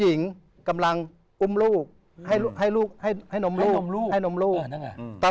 อุ้มลูกให้ลูกให้ให้ให้นมลูกให้นมลูกอ่านั่นไงอืมตา